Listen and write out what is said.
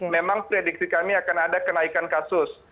memang prediksi kami akan ada kenaikan kasus